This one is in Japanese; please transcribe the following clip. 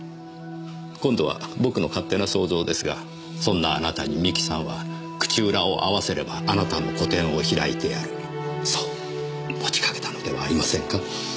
今度は僕の勝手な想像ですがそんなあなたに三木さんは口裏を合わせればあなたの個展を開いてやるそう持ちかけたのではありませんか？